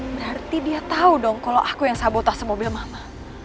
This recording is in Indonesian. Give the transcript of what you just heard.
berarti dia tahu dong kalau aku yang sabotase mobil mama